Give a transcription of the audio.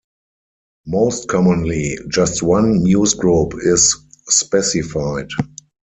Most commonly, just one newsgroup is specified.